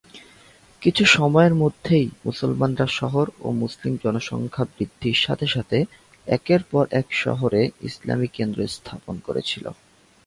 কিছু সময়ের মধ্যেই, মুসলমানরা শহর ও মুসলিম জনসংখ্যা বৃদ্ধির সাথে সাথে একের পর এক শহরে ইসলামি কেন্দ্র স্থাপন করেছিল।